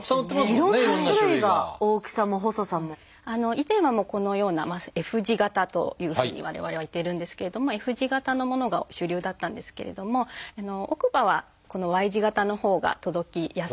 以前はこのような「Ｆ字型」というふうに我々は言っているんですけれどもＦ字型のものが主流だったんですけれども奥歯はこの「Ｙ字型」のほうが届きやすいので。